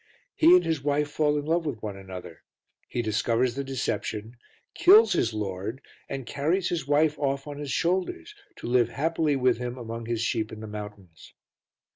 He and his wife fall in love with one another, he discovers the deception, kills his lord and carries his wife off on his shoulders to live happily with him among his sheep in the mountains.